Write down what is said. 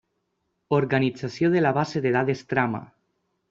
Organització de la base de dades trama.